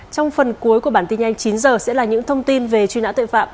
trong phần cuối của bản tin nhanh chín giờ sẽ là những thông tin về truy nã tội phạm